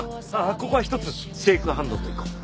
ここはひとつシェイクハンドといこう。